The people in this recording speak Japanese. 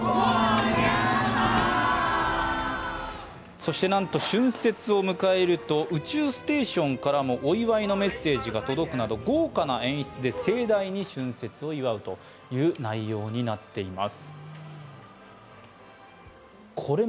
そして、春節を迎えると宇宙ステーションからもお祝いのメッセージが届くなど、豪華な演出で盛大に春節を祝うという内容になっています。